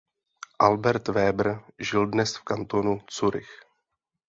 Albert Weber žije dnes v kantonu Curych.